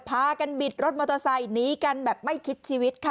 พากันบิดรถมอเตอร์ไซค์หนีกันแบบไม่คิดชีวิตค่ะ